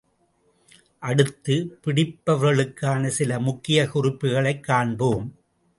அடுத்து, பிடிப்பவர்களுக்கான சில முக்கியக் குறிப்புகளைக் காண்போம்.